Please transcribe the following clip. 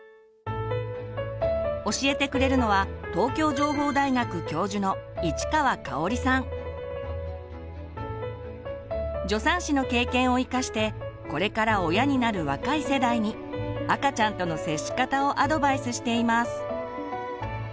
教えてくれるのは助産師の経験を生かしてこれから親になる若い世代に赤ちゃんとの接し方をアドバイスしています。